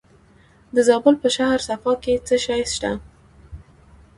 د زابل په شهر صفا کې څه شی شته؟